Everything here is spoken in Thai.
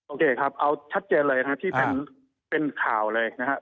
โอเคครับเอาชัดเจนเลยนะครับที่เป็นข่าวเลยนะครับ